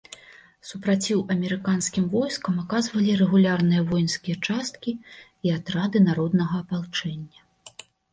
Супраціў амерыканскім войскам аказвалі рэгулярныя воінскія часткі і атрады народнага апалчэння.